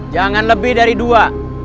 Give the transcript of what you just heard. jangan lebih dari dua